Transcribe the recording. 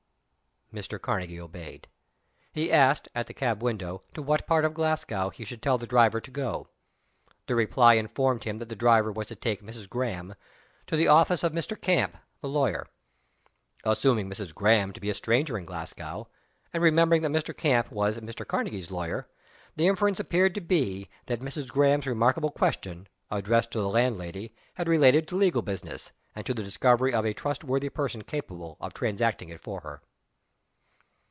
Mr. Karnegie obeyed. He asked, at the cab window, to what part of Glasgow he should tell the driver to go. The reply informed him that the driver was to take "Mrs. Graham" to the office of Mr. Camp, the lawyer. Assuming "Mrs. Graham" to be a stranger in Glasgow, and remembering that Mr. Camp was Mr. Karnegie's lawyer, the inference appeared to be, that "Mrs. Graham's" remarkable question, addressed to the landlady, had related to legal business, and to the discovery of a trust worthy person capable of transacting it for her.